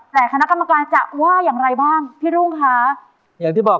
แต่คณะกรรมการจะว่าอย่างไรบ้างพี่รุ่งค่ะอย่างที่บอก